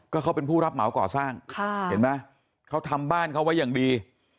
ก็เขาเป็นผู้รับเหมาก่อสร้างค่ะเห็นไหมเขาทำบ้านเขาไว้อย่างดี